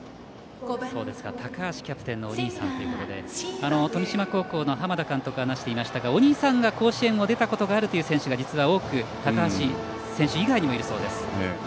高橋キャプテンのお兄さんということで富島高校の浜田監督が話していましたがお兄さんが甲子園に出たことがあるという選手は実は多く高橋選手以外にもいるそうです。